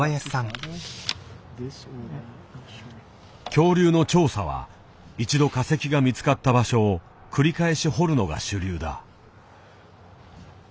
恐竜の調査は一度化石が見つかった場所を繰り返し掘るのが主流だ。